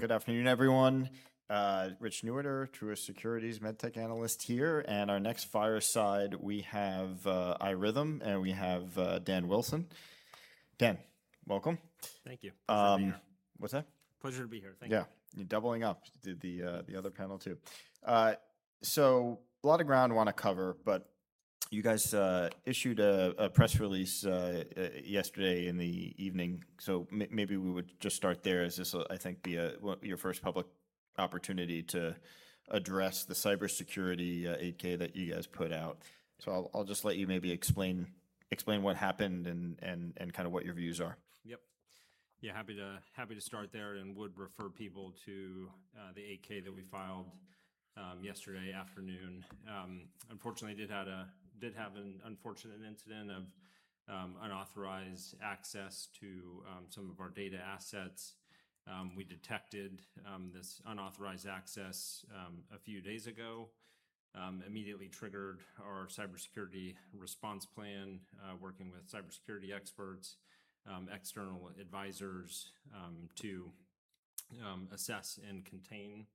Good afternoon, everyone. Rich Newitter, Truist Securities MedTech analyst here. Our next fireside we have iRhythm. We have Dan Wilson. Dan, welcome. Thank you. Pleasure to be here. What's that? Pleasure to be here. Thank you. Yeah. You're doubling up. Did the other panel too. A lot of ground want to cover. You guys issued a press release yesterday in the evening. Maybe we would just start there as this will, I think, be your first public opportunity to address the cybersecurity 8-K that you guys put out. I'll just let you maybe explain what happened and kind of what your views are. Yep. Happy to start there and would refer people to the 8-K that we filed yesterday afternoon. Unfortunately, did have an unfortunate incident of unauthorized access to some of our data assets. We detected this unauthorized access a few days ago. Immediately triggered our cybersecurity response plan, working with cybersecurity experts, external advisors to assess and contain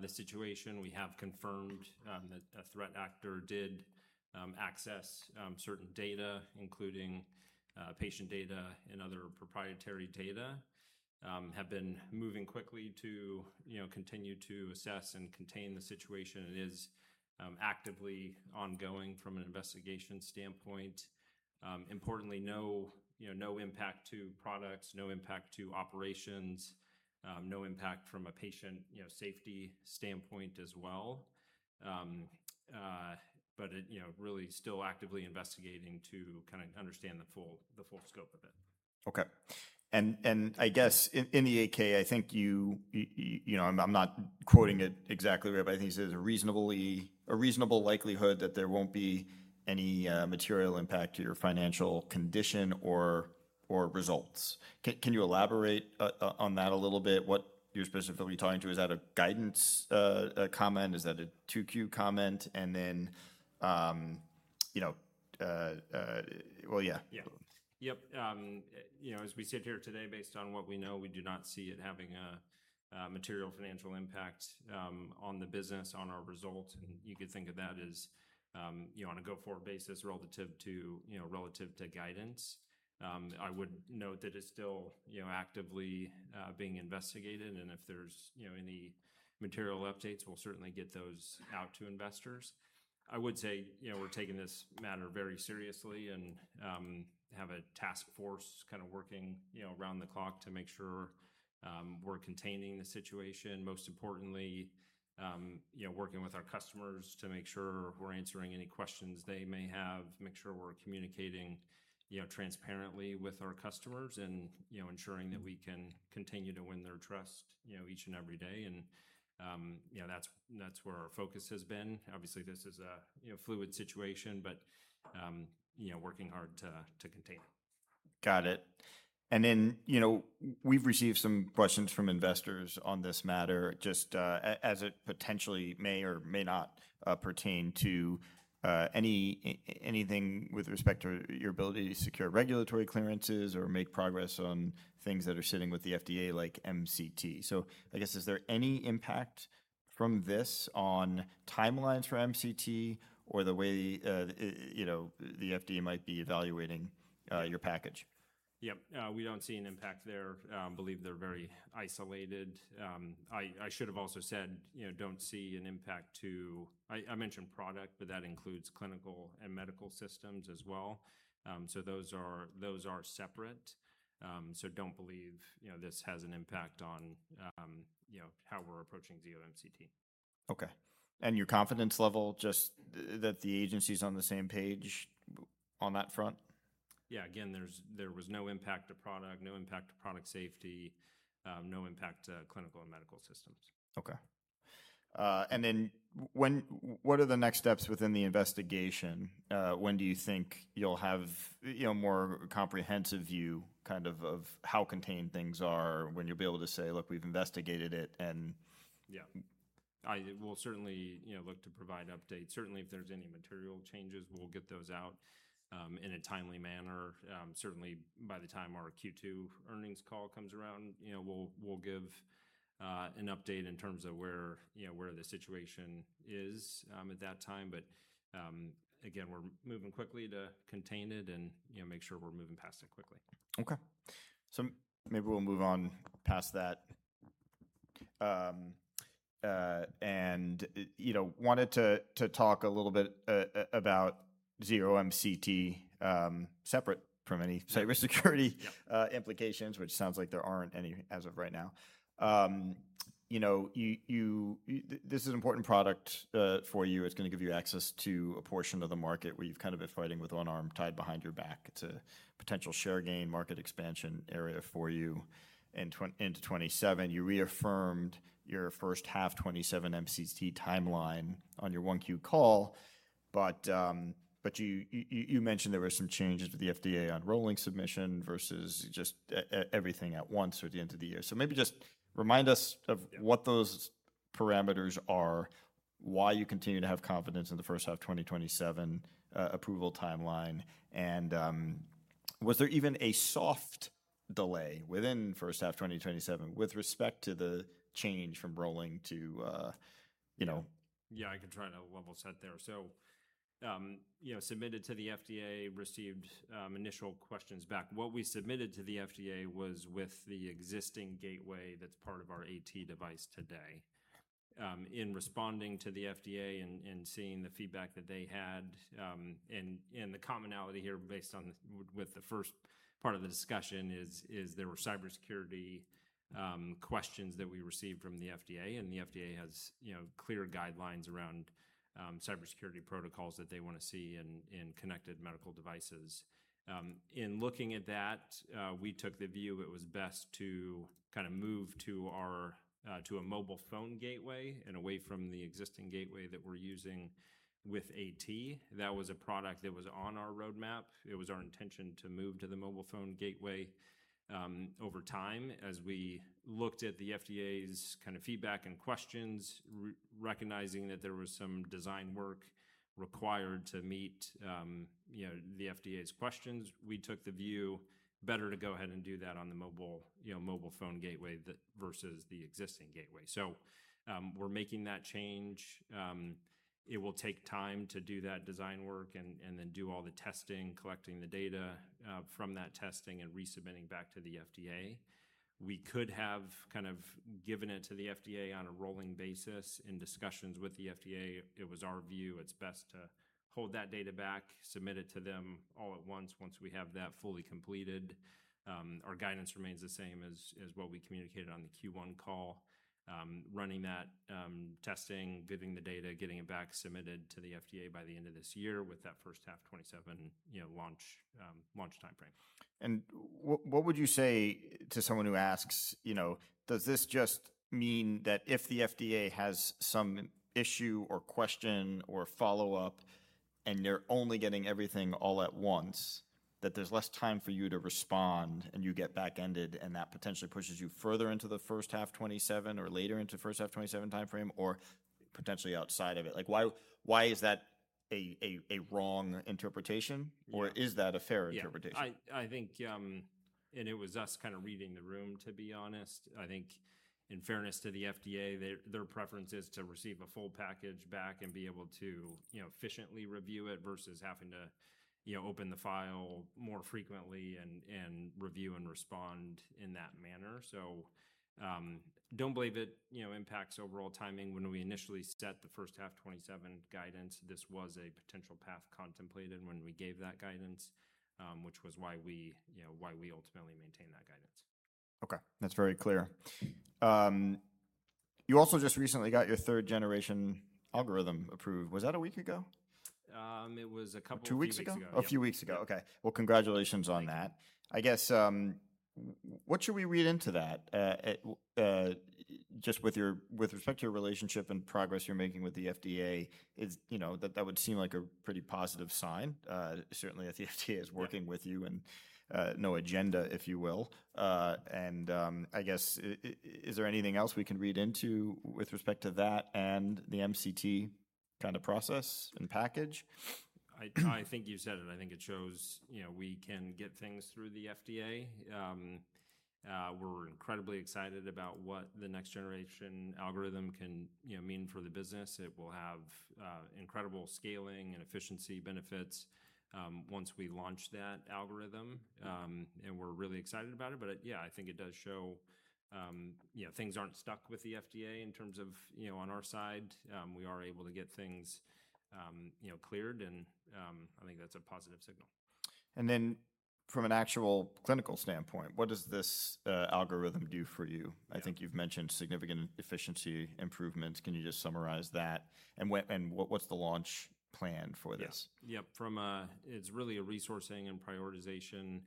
the situation. We have confirmed that a threat actor did access certain data, including patient data and other proprietary data. Have been moving quickly to continue to assess and contain the situation. It is actively ongoing from an investigation standpoint. Importantly, no impact to products, no impact to operations, no impact from a patient safety standpoint as well. Really still actively investigating to kind of understand the full scope of it. Okay. I guess in the 8-K, I'm not quoting it exactly right, but I think you said a reasonable likelihood that there won't be any material impact to your financial condition or results. Can you elaborate on that a little bit, what you're specifically talking to? Is that a guidance comment? Is that a 2Q comment? Yeah. Yeah. Yep. As we sit here today, based on what we know, we do not see it having a material financial impact on the business, on our results. You could think of that as on a go-forward basis relative to guidance. I would note that it's still actively being investigated, and if there's any material updates, we'll certainly get those out to investors. I would say, we're taking this matter very seriously and have a task force kind of working around the clock to make sure we're containing the situation. Most importantly, working with our customers to make sure we're answering any questions they may have, make sure we're communicating transparently with our customers and ensuring that we can continue to win their trust each and every day. That's where our focus has been. Obviously, this is a fluid situation, working hard to contain. Then, we've received some questions from investors on this matter, just as it potentially may or may not pertain to anything with respect to your ability to secure regulatory clearances or make progress on things that are sitting with the FDA, like MCT. I guess, is there any impact from this on timelines for MCT or the way the FDA might be evaluating your package? Yep. We don't see an impact there. We believe they're very isolated. I should have also said, don't see an impact. I mentioned product, but that includes clinical and medical systems as well. Those are separate, so don't believe this has an impact on how we're approaching Zio MCT. Okay. Your confidence level, just that the agency's on the same page on that front? Yeah. Again, there was no impact to product, no impact to product safety, no impact to clinical and medical systems. Okay. Then what are the next steps within the investigation? When do you think you'll have more comprehensive view kind of how contained things are when you'll be able to say, "Look, we've investigated it and-" Yeah. We'll certainly look to provide updates. Certainly, if there's any material changes, we'll get those out in a timely manner. Certainly, by the time our Q2 earnings call comes around, we'll give an update in terms of where the situation is at that time. Again, we're moving quickly to contain it and make sure we're moving past it quickly. Okay. Maybe we'll move on past that. Wanted to talk a little bit about Zio MCT separate from any cybersecurity- Yep. Implications, which sounds like there aren't any as of right now. This is an important product for you. It's going to give you access to a portion of the market where you've kind of been fighting with one arm tied behind your back. It's a potential share gain, market expansion area for you into 2027. You reaffirmed your first half 2027 MCT timeline on your 1Q call, you mentioned there were some changes with the FDA on rolling submission versus just everything at once toward the end of the year. Maybe just remind us of what those parameters are, why you continue to have confidence in the first half 2027 approval timeline and Was there even a soft delay within the first half of 2027 with respect to the change from rolling to- Yeah, I can try to level set there. Submitted to the FDA, received initial questions back. What we submitted to the FDA was with the existing gateway that's part of our AT device today. In responding to the FDA and seeing the feedback that they had, and the commonality here based on with the first part of the discussion is there were cybersecurity questions that we received from the FDA, and the FDA has clear guidelines around cybersecurity protocols that they want to see in connected medical devices. In looking at that, we took the view it was best to move to a mobile phone gateway and away from the existing gateway that we're using with AT. That was a product that was on our roadmap. It was our intention to move to the mobile phone gateway over time as we looked at the FDA's feedback and questions, recognizing that there was some design work required to meet the FDA's questions. We took the view better to go ahead and do that on the mobile phone gateway versus the existing gateway. We're making that change. It will take time to do that design work and then do all the testing, collecting the data from that testing, and resubmitting back to the FDA. We could have given it to the FDA on a rolling basis. In discussions with the FDA, it was our view it's best to hold that data back, submit it to them all at once we have that fully completed. Our guidance remains the same as what we communicated on the Q1 call. Running that testing, getting the data, getting it back submitted to the FDA by the end of this year with that first half 2027 launch timeframe. What would you say to someone who asks, does this just mean that if the FDA has some issue or question or follow-up, and they're only getting everything all at once, that there's less time for you to respond, and you get back-ended, and that potentially pushes you further into the first half of 2027 or later into first half 2027 timeframe or potentially outside of it? Why is that a wrong interpretation? Yeah. Is that a fair interpretation? Yeah. I think it was us reading the room, to be honest. I think in fairness to the FDA, their preference is to receive a full package back and be able to efficiently review it versus having to open the file more frequently and review and respond in that manner. Don't believe it impacts overall timing. When we initially set the first half of 2027 guidance, this was a potential path contemplated when we gave that guidance, which was why we ultimately maintain that guidance. Okay. That's very clear. You also just recently got your 3rd-generation algorithm approved. Was that a week ago? It was a couple of weeks ago. Two weeks ago? Yeah. A few weeks ago. Okay. Well, congratulations on that. I guess, what should we read into that? Just with respect to your relationship and progress you're making with the FDA, that would seem like a pretty positive sign. Certainly, that the FDA- Yeah. Is working with you in no agenda, if you will. I guess, is there anything else we can read into with respect to that and the MCT process and package? I think you said it. I think it shows we can get things through the FDA. We're incredibly excited about what the next generation algorithm can mean for the business. It will have incredible scaling and efficiency benefits once we launch that algorithm, and we're really excited about it. Yeah, I think it does show things aren't stuck with the FDA in terms of on our side. We are able to get things cleared, and I think that's a positive signal. From an actual clinical standpoint, what does this algorithm do for you? Yeah. I think you've mentioned significant efficiency improvements. Can you just summarize that? What's the launch plan for this? Yeah. It's really a resourcing and prioritization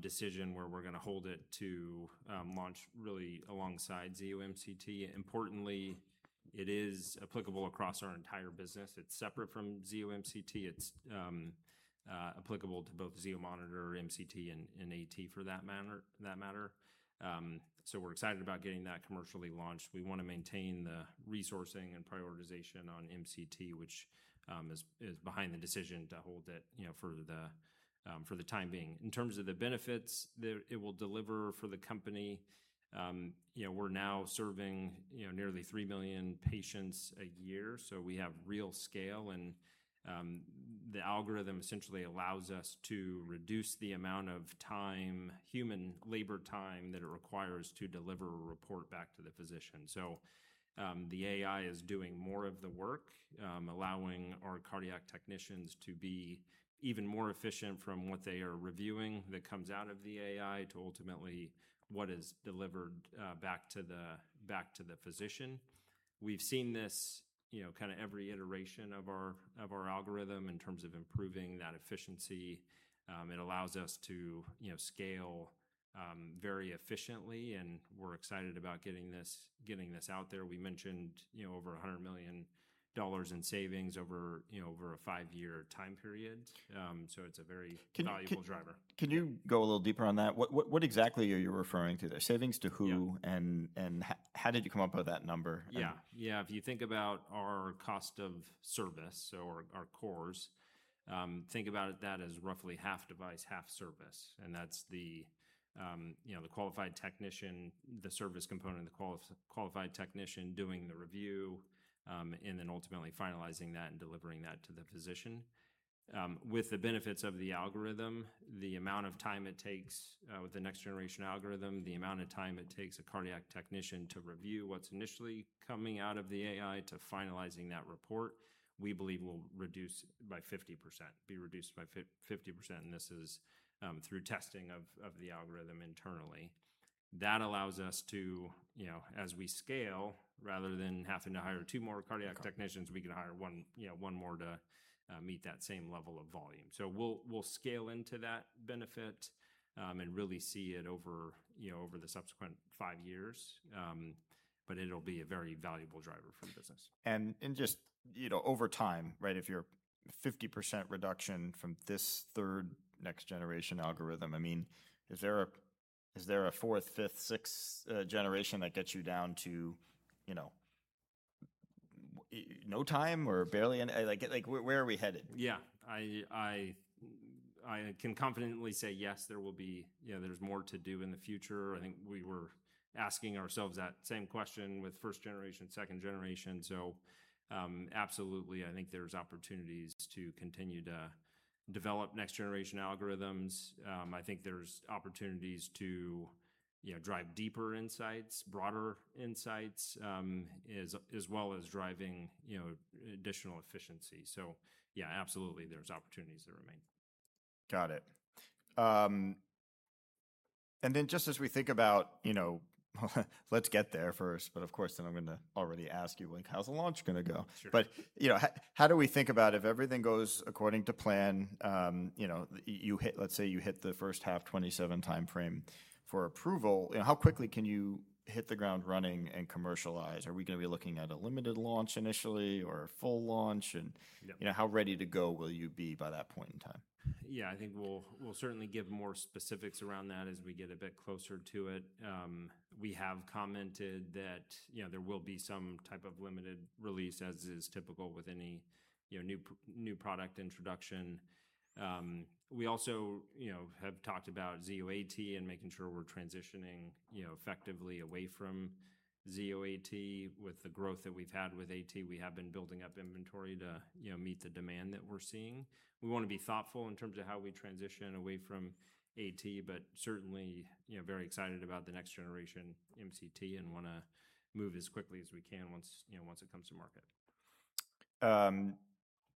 decision where we're going to hold it to launch really alongside Zio MCT. Importantly, it is applicable across our entire business. It's separate from Zio MCT. It's applicable to both Zio monitor, MCT, and AT for that matter. We're excited about getting that commercially launched. We want to maintain the resourcing and prioritization on MCT, which is behind the decision to hold it for the time being. In terms of the benefits that it will deliver for the company, we're now serving nearly 3 million patients a year, we have real scale, the algorithm essentially allows us to reduce the amount of human labor time that it requires to deliver a report back to the physician. The AI is doing more of the work, allowing our cardiac technicians to be even more efficient from what they are reviewing that comes out of the AI to ultimately what is delivered back to the physician. We've seen this every iteration of our algorithm in terms of improving that efficiency. It allows us to scale very efficiently, we're excited about getting this out there. We mentioned over $100 million in savings over a five-year time period. It's a very valuable driver. Can you go a little deeper on that? What exactly are you referring to there? Savings to who and- Yeah. How did you come up with that number? Yeah. If you think about our cost of service, our cost. Think about that as roughly half device, half service, and that's the qualified technician, the service component, the qualified technician doing the review, and then ultimately finalizing that and delivering that to the physician. With the benefits of the algorithm, the amount of time it takes with the next generation algorithm, the amount of time it takes a cardiac technician to review what's initially coming out of the AI to finalizing that report, we believe will be reduced by 50%, and this is through testing of the algorithm internally. That allows us to, as we scale, rather than having to hire two more cardiac technicians, we can hire one more to meet that same level of volume. We'll scale into that benefit, and really see it over the subsequent five years. It'll be a very valuable driver for the business. Just over time, if you're 50% reduction from this third next generation algorithm, is there a fourth, fifth, sixth generation that gets you down to no time or barely any? Where are we headed? Yeah. I can confidently say yes, there's more to do in the future. I think we were asking ourselves that same question with first generation, second generation. Absolutely, I think there's opportunities to continue to develop next generation algorithms. I think there's opportunities to drive deeper insights, broader insights, as well as driving additional efficiency. Yeah, absolutely, there's opportunities that remain. Got it. Just as we think about let's get there first, but of course, then I'm going to already ask you, how's the launch going to go? Sure. How do we think about if everything goes according to plan, let's say you hit the first half 2027 timeframe for approval. How quickly can you hit the ground running and commercialize? Are we going to be looking at a limited launch initially or a full launch? Yeah. How ready to go will you be by that point in time? Yeah, I think we'll certainly give more specifics around that as we get a bit closer to it. We have commented that there will be some type of limited release, as is typical with any new product introduction. We also have talked about Zio AT and making sure we're transitioning effectively away from Zio AT. With the growth that we've had with AT, we have been building up inventory to meet the demand that we're seeing. We want to be thoughtful in terms of how we transition away from AT, but certainly very excited about the next generation MCT and want to move as quickly as we can once it comes to market.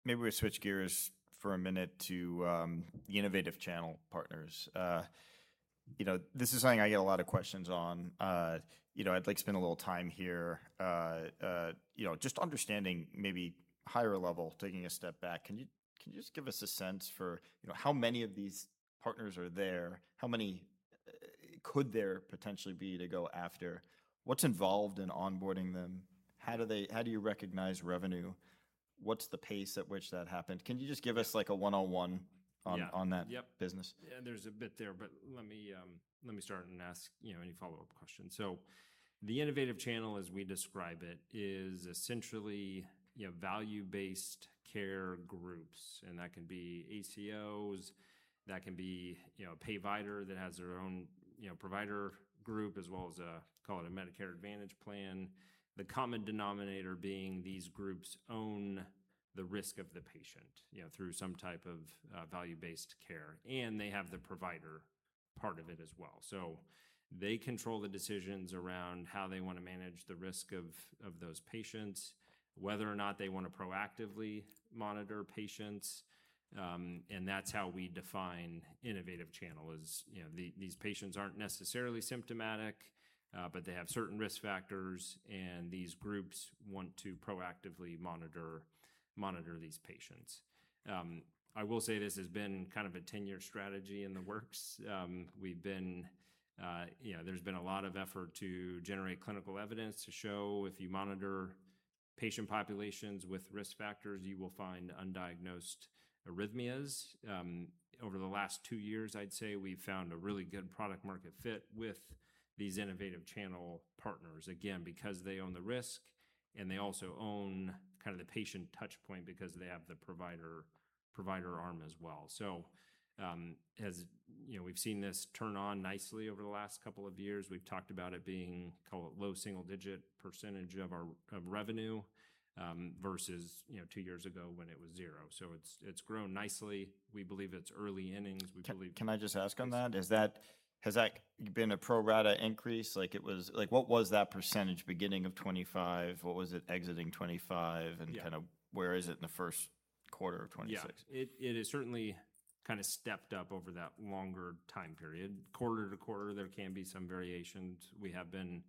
Maybe we switch gears for a minute to the innovative channel partners. This is something I get a lot of questions on. I'd like to spend a little time here just understanding maybe higher level, taking a step back. Can you just give us a sense for how many of these partners are there? How many could there potentially be to go after? What's involved in onboarding them? How do you recognize revenue? What's the pace at which that happened? Can you just give us like a 101 on- Yeah. That business? There's a bit there, but let me start and ask any follow-up questions. The innovative channel as we describe it is essentially value-based care groups. That can be ACOs, that can be a payvider that has their own provider group, as well as a, call it a Medicare Advantage plan. The common denominator being these groups own the risk of the patient through some type of value-based care, and they have the provider part of it as well. They control the decisions around how they want to manage the risk of those patients, whether or not they want to proactively monitor patients, and that's how we define innovative channel is these patients aren't necessarily symptomatic, but they have certain risk factors, and these groups want to proactively monitor these patients. I will say this has been kind of a 10-year strategy in the works. There's been a lot of effort to generate clinical evidence to show if you monitor patient populations with risk factors, you will find undiagnosed arrhythmias. Over the last two years, I'd say we've found a really good product market fit with these innovative channel partners, again, because they own the risk, and they also own the patient touchpoint because they have the provider arm as well. We've seen this turn on nicely over the last couple of years. We've talked about it being, call it low single-digit percentage of revenue, versus two years ago when it was zero. It's grown nicely. We believe it's early innings. Can I just ask on that? Has that been a pro rata increase? What was that percentage beginning of 2025? What was it exiting 2025? Yeah. Where is it in the first quarter of 2026? Yeah. It has certainly stepped up over that longer time period. Quarter-to-quarter, there can be some variations. We have been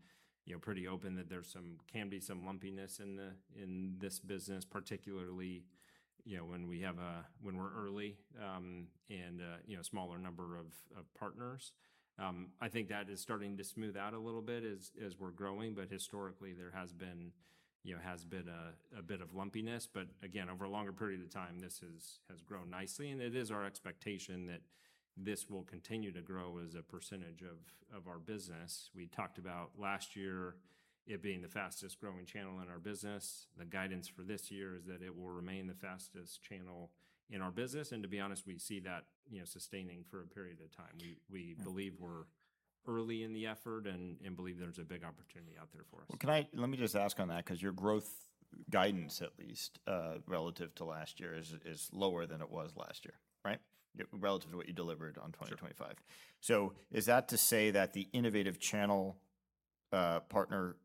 pretty open that there can be some lumpiness in this business, particularly when we're early, and a smaller number of partners. I think that is starting to smooth out a little bit as we're growing. Historically, there has been a bit of lumpiness. But again, over a longer period of time, this has grown nicely, and it is our expectation that this will continue to grow as a percentage of our business. We talked about last year it being the fastest-growing channel in our business. The guidance for this year is that it will remain the fastest channel in our business. To be honest, we see that sustaining for a period of time. We believe we're early in the effort and believe there's a big opportunity out there for us. Let me just ask on that because your growth guidance at least, relative to last year is lower than it was last year, right? Relative to what you delivered on 2025. Sure. Is that to say that the innovative channel partner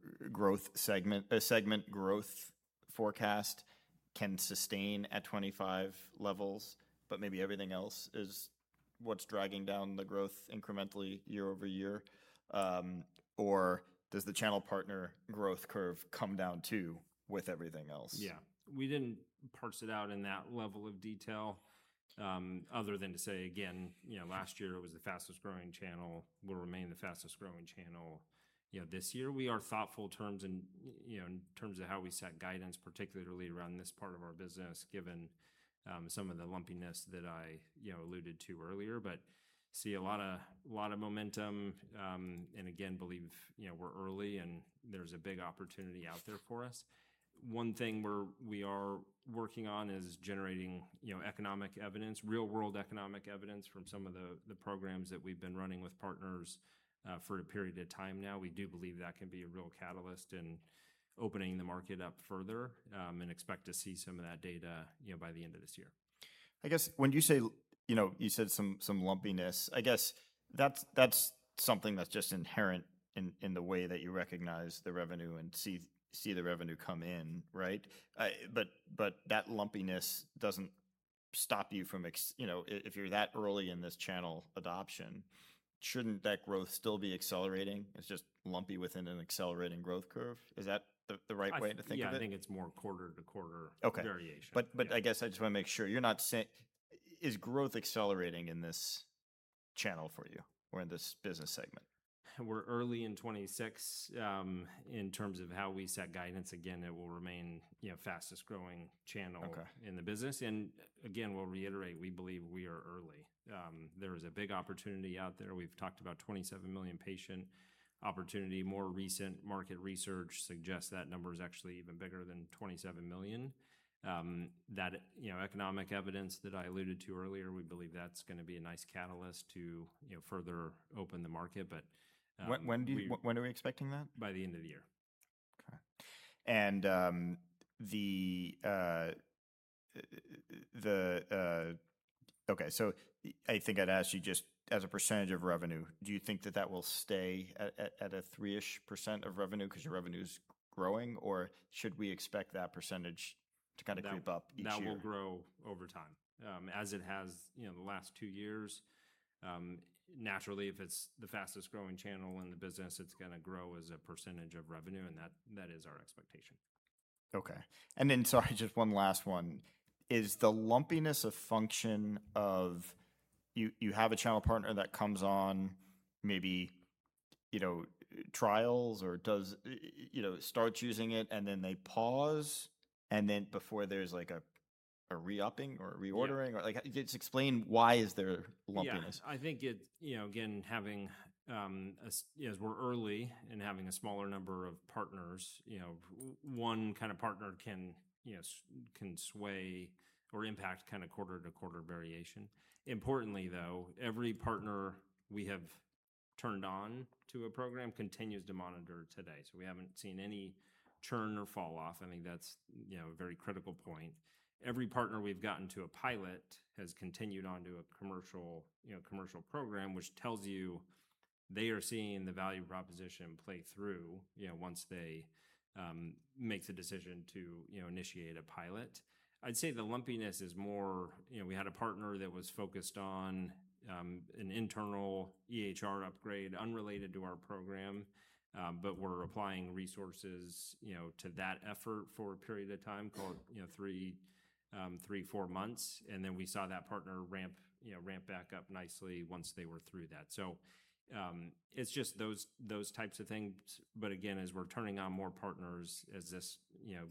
segment growth forecast can sustain at 2025 levels, but maybe everything else is what's dragging down the growth incrementally year-over-year? Does the channel partner growth curve come down too with everything else? Yeah. We didn't parse it out in that level of detail, other than to say, again, last year it was the fastest growing channel, will remain the fastest growing channel this year. We are thoughtful in terms of how we set guidance, particularly around this part of our business, given some of the lumpiness that I alluded to earlier, but see a lot of momentum. Again, believe we're early and there's a big opportunity out there for us. One thing we are working on is generating economic evidence, real-world economic evidence from some of the programs that we've been running with partners for a period of time now. We do believe that can be a real catalyst in opening the market up further, and expect to see some of that data by the end of this year. I guess when you said some lumpiness, I guess that's something that's just inherent in the way that you recognize the revenue and see the revenue come in, right? That lumpiness doesn't stop you from. If you're that early in this channel adoption, shouldn't that growth still be accelerating? It's just lumpy within an accelerating growth curve. Is that the right way to think of it? Yeah, I think it's more quarter-to-quarter- Okay. Variation. Yeah. I guess I just want to make sure. Is growth accelerating in this channel for you or in this business segment? We're early in 2026. In terms of how we set guidance, again, it will remain fastest growing channel- Okay. In the business. Again, we'll reiterate, we believe we are early. There is a big opportunity out there. We've talked about 27 million patient opportunity. More recent market research suggests that number is actually even bigger than 27 million. That economic evidence that I alluded to earlier, we believe that's going to be a nice catalyst to further open the market, but- When are we expecting that? By the end of the year. I think I'd ask you, just as a percentage of revenue, do you think that that will stay at a 3%-ish of revenue because your revenue's growing, or should we expect that percentage to kind of creep up each year? That will grow over time, as it has the last two years. Naturally, if it's the fastest growing channel in the business, it's going to grow as a percentage of revenue, and that is our expectation. Sorry, just one last one. Is the lumpiness a function of you have a channel partner that comes on maybe trials or starts using it and then they pause, and then before there's a re-upping or reordering? Yeah. Just explain why is there lumpiness. Yeah. I think, again, as we're early and having a smaller number of partners, one kind of partner can sway or impact quarter-to-quarter variation. Importantly, though, every partner we have turned on to a program continues to monitor today. We haven't seen any churn or fall-off. I think that's a very critical point. Every partner we've gotten to a pilot has continued onto a commercial program, which tells you they are seeing the value proposition play through, once they make the decision to initiate a pilot. I'd say the lumpiness is more, we had a partner that was focused on an internal EHR upgrade unrelated to our program, but were applying resources to that effort for a period of time, call it three, four months. Then we saw that partner ramp back up nicely once they were through that. It's just those types of things. Again, as we're turning on more partners, as this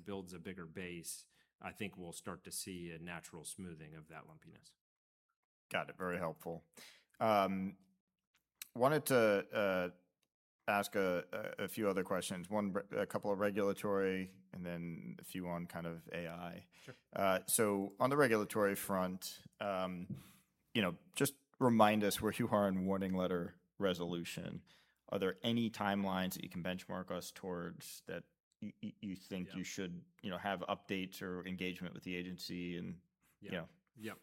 builds a bigger base, I think we'll start to see a natural smoothing of that lumpiness. Got it. Very helpful. Wanted to ask a few other questions. A couple of regulatory and then a few on AI. Sure. On the regulatory front, just remind us where you are on warning letter resolution. Are there any timelines that you can benchmark us towards that you think- Yeah. You should have updates or engagement with the agency and- Yeah. Yeah.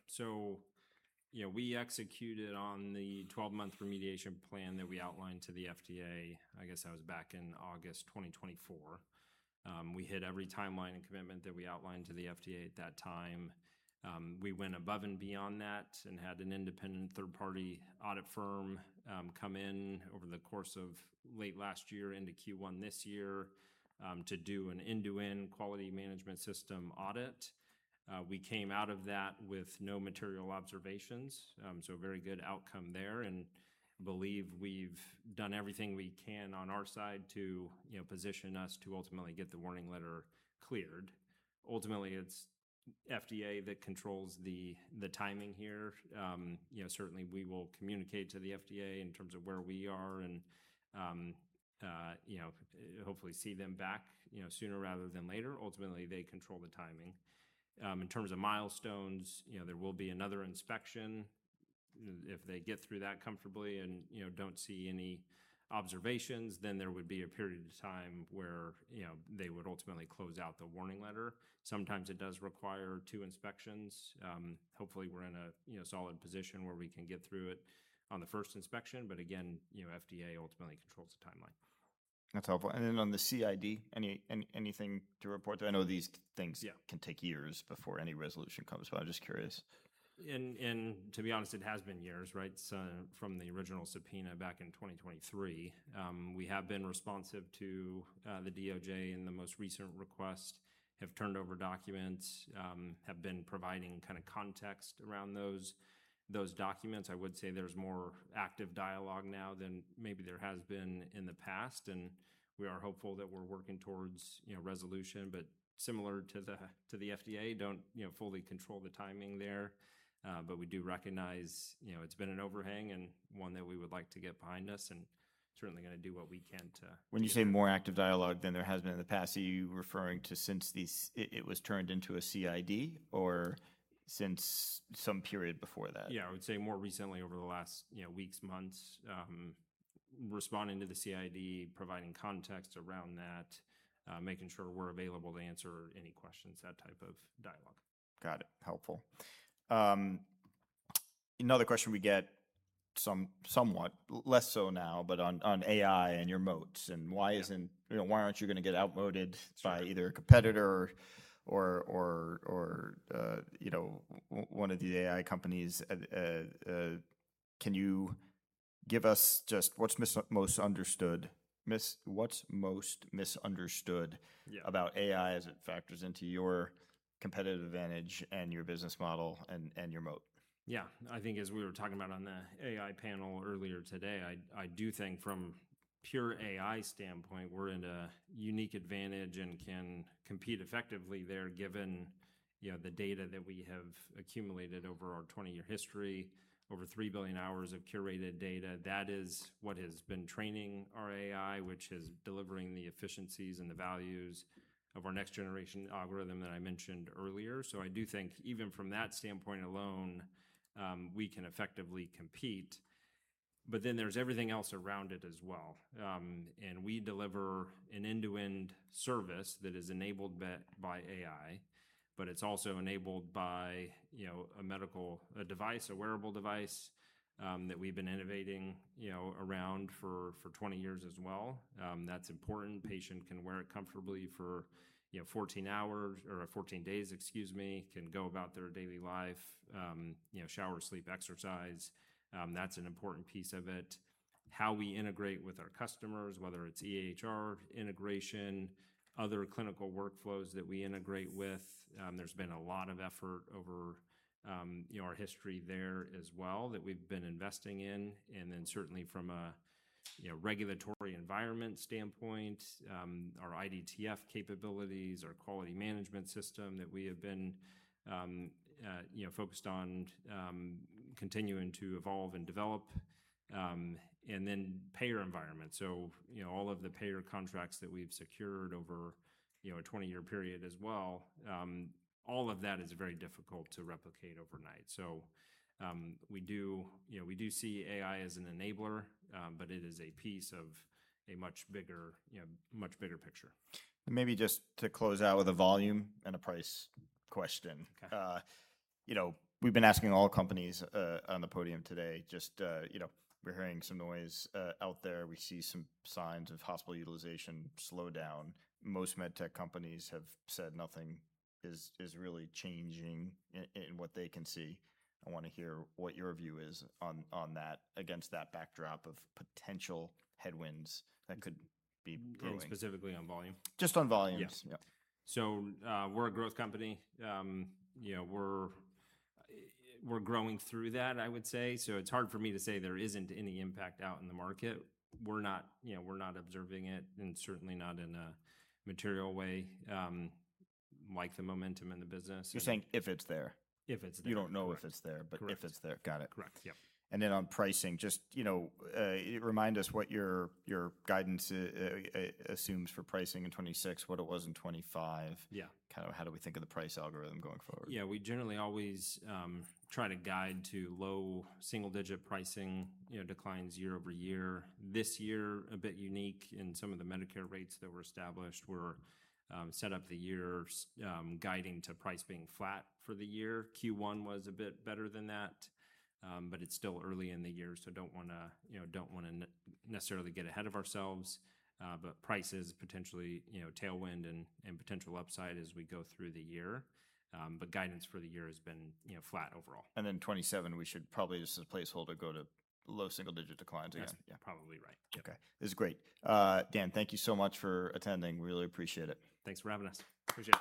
Yeah. We executed on the 12-month remediation plan that we outlined to the FDA, I guess that was back in August 2024. We hit every timeline and commitment that we outlined to the FDA at that time. We went above and beyond that and had an independent third-party audit firm come in over the course of late last year into Q1 this year to do an end-to-end quality management system audit. We came out of that with no material observations, so a very good outcome there, and believe we've done everything we can on our side to position us to ultimately get the warning letter cleared. Ultimately, it's FDA that controls the timing here. Certainly, we will communicate to the FDA in terms of where we are and hopefully see them back sooner rather than later. Ultimately, they control the timing. In terms of milestones, there will be another inspection. If they get through that comfortably and don't see any observations, then there would be a period of time where they would ultimately close out the warning letter. Sometimes it does require two inspections. Hopefully, we're in a solid position where we can get through it on the first inspection, but again, FDA ultimately controls the timeline. That's helpful. On the CID, anything to report there? I know these things- Yeah. Can take years before any resolution comes. I'm just curious. To be honest, it has been years, right? From the original subpoena back in 2023. We have been responsive to the DOJ in the most recent request, have turned over documents, have been providing context around those documents. I would say there's more active dialogue now than maybe there has been in the past, we are hopeful that we're working towards resolution, similar to the FDA, don't fully control the timing there. We do recognize it's been an overhang and one that we would like to get behind us, certainly going to do what we can to. When you say more active dialogue than there has been in the past, are you referring to since it was turned into a CID, or since some period before that? I would say more recently over the last weeks, months, responding to the CID, providing context around that, making sure we're available to answer any questions, that type of dialogue. Got it. Helpful. Another question we get somewhat less so now, on AI and your moats and why aren't you going to get out-moated by either a competitor or one of the AI companies. Can you give us just what's most misunderstood- Yeah. About AI as it factors into your competitive advantage and your business model and your moat? I think as we were talking about on the AI panel earlier today, I do think from pure AI standpoint, we're in a unique advantage and can compete effectively there given the data that we have accumulated over our 20-year history, over 3 billion hours of curated data. That is what has been training our AI, which is delivering the efficiencies and the values of our next generation algorithm that I mentioned earlier. I do think even from that standpoint alone, we can effectively compete. There's everything else around it as well. We deliver an end-to-end service that is enabled by AI, but it's also enabled by a wearable device that we've been innovating around for 20 years as well. That's important. Patient can wear it comfortably for 14 hours or 14 days, excuse me, can go about their daily life, shower, sleep, exercise. That's an important piece of it. How we integrate with our customers, whether it's EHR integration, other clinical workflows that we integrate with. There's been a lot of effort over our history there as well that we've been investing in. Certainly from a regulatory environment standpoint, our IDTF capabilities, our quality management system that we have been focused on continuing to evolve and develop, and then payer environment. All of the payer contracts that we've secured over a 20-year period as well, all of that is very difficult to replicate overnight. We do see AI as an enabler, but it is a piece of a much bigger picture. Maybe just to close out with a volume and a price question. Okay. We've been asking all companies on the podium today, we're hearing some noise out there. We see some signs of hospital utilization slow down. Most MedTech companies have said nothing is really changing in what they can see. I want to hear what your view is on that against that backdrop of potential headwinds that could be brewing. Specifically on volume? Just on volumes. Yeah. Yeah. We're a growth company. We're growing through that, I would say. It's hard for me to say there isn't any impact out in the market. We're not observing it, and certainly not in a material way, like the momentum in the business. You're saying if it's there. If it's there. You don't know if it's there. Correct. If it's there. Got it. Correct. Yeah. On pricing, just remind us what your guidance assumes for pricing in 2026, what it was in 2025. Yeah. How do we think of the price algorithm going forward? Yeah. We generally always try to guide to low single-digit pricing declines year-over-year. This year, a bit unique in some of the Medicare rates that were established were set up the year guiding to price being flat for the year. Q1 was a bit better than that. It's still early in the year, so don't want to necessarily get ahead of ourselves. Price is potentially tailwind and potential upside as we go through the year. Guidance for the year has been flat overall. 2027, we should probably just as a placeholder go to low single-digit declines again. Yeah. Probably right. Yeah. Okay. This is great. Dan, thank you so much for attending. Really appreciate it. Thanks for having us. Appreciate it.